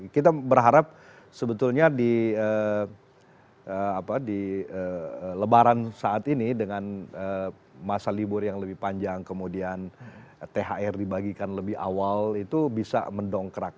kita berharap sebetulnya di lebaran saat ini dengan masa libur yang lebih panjang kemudian thr dibagikan lebih awal itu bisa mendongkrak